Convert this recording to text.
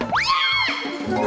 kau juga bisa